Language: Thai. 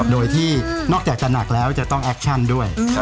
โดยที่นอกจากจะหนักแล้วจะต้องแอคชั่นด้วย